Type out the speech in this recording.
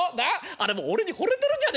あれもう俺に惚れてるじゃねえかい？